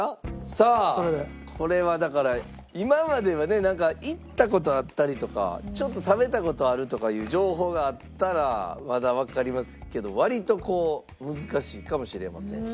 さあこれはだから今までは行った事あったりとかちょっと食べた事あるとかいう情報があったらまだわかりますけど割とこう難しいかもしれません。